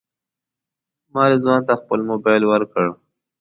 ما رضوان ته خپل موبایل ورکړ.